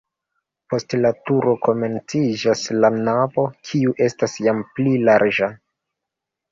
Post la turo komenciĝas la navo, kiu estas jam pli larĝa.